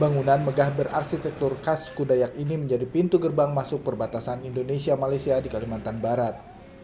bangunan megah berarsitektur khas kudayak ini menjadi pintu gerbang masuk perbatasan indonesia malaysia di kalimantan barat